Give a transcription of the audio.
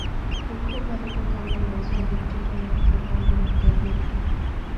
Bukoba iko kando la Ziwa Viktoria Nyanza upande wa magharibi.